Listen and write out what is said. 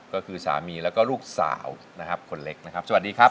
ก็คือสามีแล้วก็ลูกสาวนะครับคนเล็กนะครับสวัสดีครับ